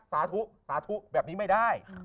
สาธุสาธุแบบนี้ไม่ได้